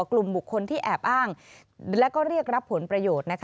กลุ่มบุคคลที่แอบอ้างและเรียกรับผลประโยชน์